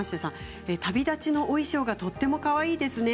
旅立ちのお衣装がとてもかわいいですね。